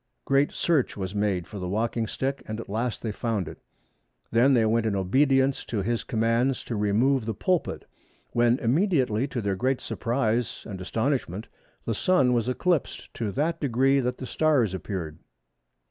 Great search was made for the walking stick, and at last they found it. Then they went in obedience to his commands to remove the pulpit, when immediately, to their great surprise and astonishment, the Sun was eclipsed to that degree that the stars appeared."